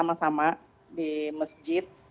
sama sama di masjid